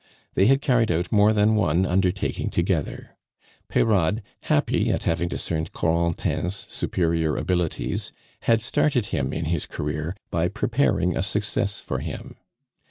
They had carried out more than one undertaking together. Peyrade, happy at having discerned Corentin's superior abilities, had started him in his career by preparing a success for him.